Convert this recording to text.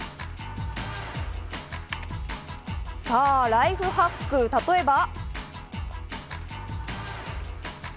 ライフハック、例えば。